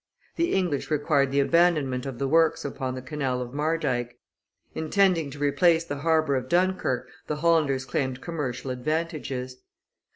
The English required the abandonment of the works upon the canal of Mardyck, intended to replace the harbor of Dunkerque the Hollanders claimed commercial advantages.